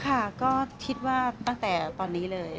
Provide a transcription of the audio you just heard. ค่ะก็คิดว่าตั้งแต่ตอนนี้เลย